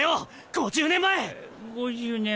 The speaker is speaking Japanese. ５０年前？